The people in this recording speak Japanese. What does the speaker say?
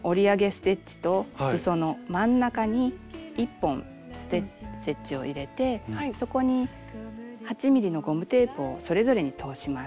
ステッチとすその真ん中に１本ステッチを入れてそこに８ｍｍのゴムテープをそれぞれに通します。